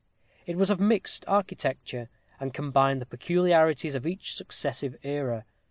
It was of mixed architecture, and combined the peculiarities of each successive era.